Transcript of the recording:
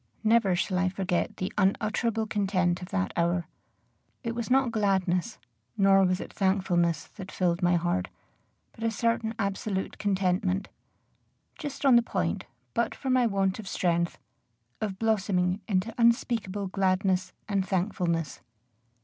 Never shall I forget the unutterable content of that hour. It was not gladness, nor was it thankfulness, that filled my heart, but a certain absolute contentment, just on the point, but for my want of strength, of blossoming into unspeakable gladness and thankfulness.